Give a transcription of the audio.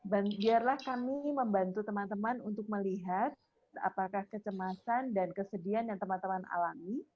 biarlah kami membantu teman teman untuk melihat apakah kecemasan dan kesedihan yang teman teman alami